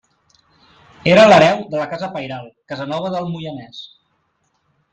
Era l’hereu de la casa pairal Casanova del Moianès.